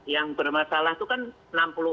yang bermasalah itu kan